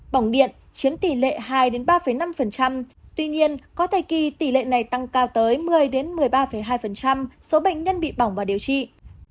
bỏng điện chiếm tỷ lệ hai ba năm tuy nhiên có thời kỳ tỷ lệ này tăng cao tới một mươi một mươi ba hai số bệnh nhân bị bỏng và điều trị